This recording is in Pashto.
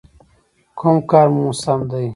_کوم کار مو سم دی؟